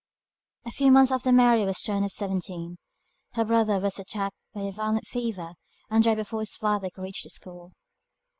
A few months after Mary was turned of seventeen, her brother was attacked by a violent fever, and died before his father could reach the school.